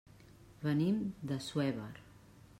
Venim d'Assuévar.